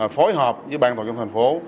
phối hợp với ban tổ chức thành phố